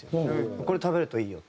これ食べるといいよって。